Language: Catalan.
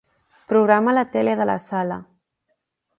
Programa la tele de la sala.